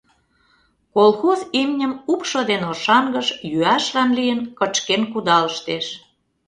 Колхоз имньым Упшо ден Оршанкыш, йӱашлан лийын, кычкен кудалыштеш.